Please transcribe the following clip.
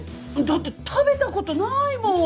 だって食べたことないもん！